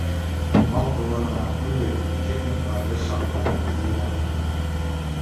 Мал-тыуар ғына түгел, техника ла бер сафҡа теҙелгән бында.